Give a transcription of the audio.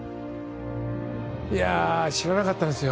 いやぁ知らなかったですよ。